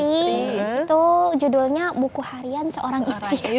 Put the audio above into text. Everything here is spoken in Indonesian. itu judulnya buku harian seorang istri